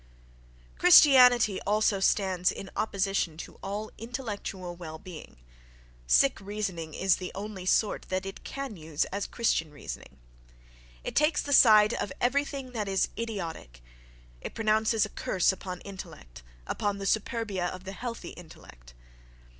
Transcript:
Christianity also stands in opposition to all intellectual well being,—sick reasoning is the only sort that it can use as Christian reasoning; it takes the side of everything that is idiotic; it pronounces a curse upon "intellect," upon the superbia of the healthy intellect.